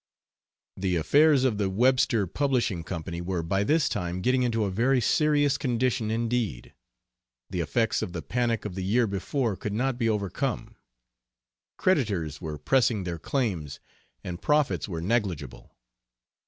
The affairs of the Webster Publishing Company were by this time getting into a very serious condition indeed. The effects of the panic of the year before could not be overcome. Creditors were pressing their claims and profits were negligible.